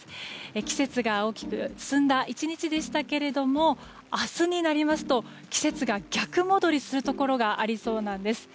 季節が大きく進んだ１日でしたけども明日になりますと季節が逆戻りするところがありそうなんです。